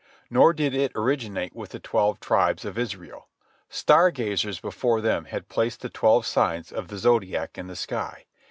Nor did it originate with the twelve tribes of Israel. Star gazers before them had placed the twelve signs of the Zodiac in the sky.